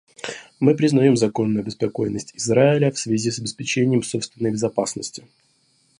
Мы признаем законную обеспокоенность Израиля в связи с обеспечением собственной безопасности.